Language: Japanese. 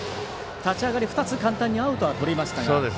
立ち上がり、２つ簡単にアウトはとりましたが。